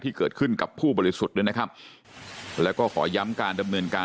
ที่เกิดขึ้นกับผู้บริสุทธิ์ด้วยนะครับแล้วก็ขอย้ำการดำเนินการ